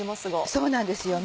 そうなんですよ